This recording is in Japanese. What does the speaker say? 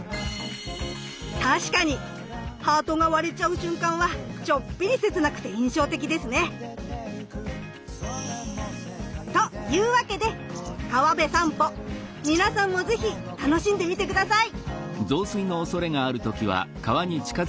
確かにハートが割れちゃう瞬間はちょっぴり切なくて印象的ですね！というわけで川辺さんぽ皆さんも是非楽しんでみて下さい。